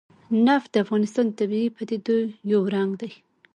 نفت د افغانستان د طبیعي پدیدو یو رنګ دی.